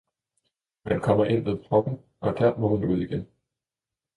man kommer ind ved proppen, og der må man ud igen!